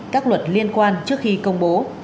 các luật liên quan trước khi công bố